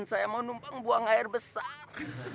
saya mau numpang buang air besar